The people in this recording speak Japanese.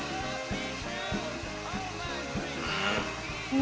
うん！